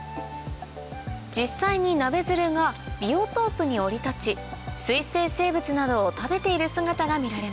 実際にナベヅルがビオトープに降り立ち水生生物などを食べている姿が見られます